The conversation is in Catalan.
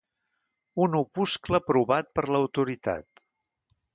Un opuscle aprovat per l'autoritat.